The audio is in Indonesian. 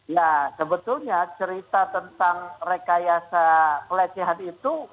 ya sebetulnya cerita tentang rekayasa pelecehan itu